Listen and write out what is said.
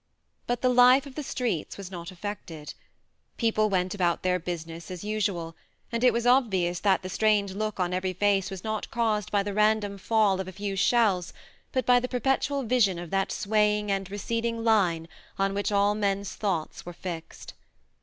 But the life of the streets was not affected. People went THE MARNE 87 about their business as usual, and it was obvious that the strained look on every face was not caused by the random fall of a few shells, but by the perpetual vision of that swaying and receding line on which all men's thoughts were fixed.